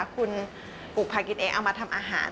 คุณปลูกผักกินเองเอามาทำอาหาร